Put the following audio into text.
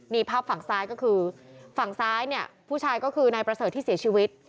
นี่ภาพฝั่งซ้ายก็คือฝั่งซ้ายเนี่ยผู้ชายก็คือนายประเสริฐที่เสียชีวิต